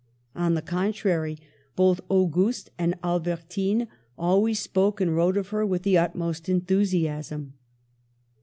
On the contrary, both Auguste and Alber tine always spoke and wrote of her with the utmost enthusiasm.